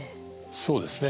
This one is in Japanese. そうですね。